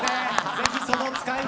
ぜひその使い道